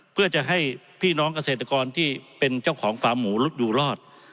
เพื่อจะให้พี่น้องเกษตรกรที่เป็นเจ้าของฟาร์มหมูรุษอยู่รอด